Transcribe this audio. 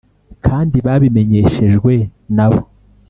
kandi babimenyeshejwe na bo